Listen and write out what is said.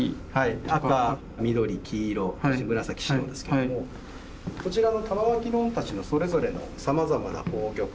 赤緑黄色紫白ですけれどもこちらの玉纏御太刀のそれぞれのさまざまな宝玉。